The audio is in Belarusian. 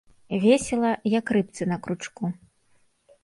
Весела як рыбцы на кручку.